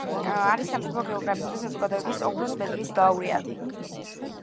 არის სამეფო გეოგრაფიული საზოგადოების ოქროს მედლის ლაურეატი.